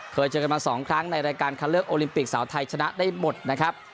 เคยเจอกันมา๒ครั้งในรายการคัดเลือกโอลิมปิกสาวไทยชนะได้หมดนะครับ